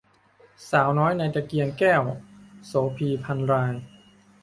สาวน้อยในตะเกียงแก้ว - โสภี พรรณราย